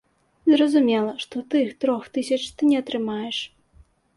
Зразумела, што тых трох тысяч ты не атрымаеш.